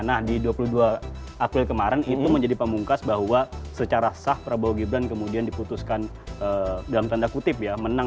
nah di dua puluh dua april kemarin itu menjadi pamungkas bahwa secara sah prabowo gibran kemudian diputuskan dalam tanda kutip ya menang